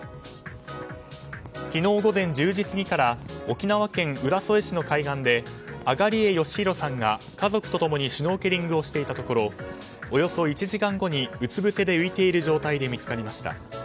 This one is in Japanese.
昨日午前１０時過ぎから沖縄県浦添市の海岸で東江義宏さんが家族と共にシュノーケリングをしていたところおよそ１時間後にうつぶせで浮いている状態で見つかりました。